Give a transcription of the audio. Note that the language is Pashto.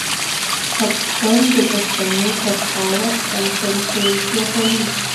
پاکستان د پښتنو پر خاوره خپل کنټرول زیاتوي.